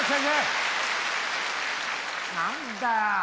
何だよ。